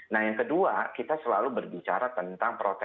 nah yang kedua kita selalu berbicara tentang protokol covid sembilan belas